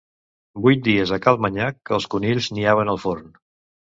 Vuit dies a cal Manyac, que els conills niaven al forn.